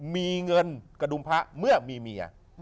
มีเงินกระดุมพระเมื่อมีเมีย